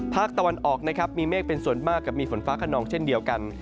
ภาคตะวันออกนะครับมีเมฆเป็นส่วนมากกับมีฝนฟ้าขนองเช่นเดียวกัน